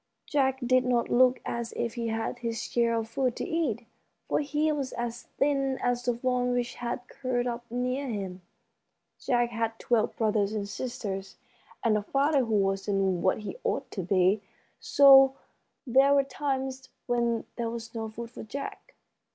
Jack did not look as if he had his share of food to eat, for he was as thin as the fawn which had curled up near him. Jack had twelve brothers and sisters, and a father who wasn't what he ought to be, so there were times when there was no food for Jack.